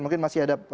mungkin masih ada